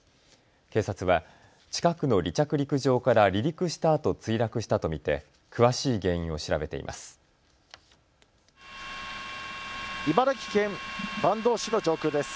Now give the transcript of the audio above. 警察は近くの離着陸場から離陸したあと墜落したと見て詳しい原因を調べています。